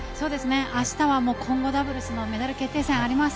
明日は混合ダブルスのメダル決定戦があります。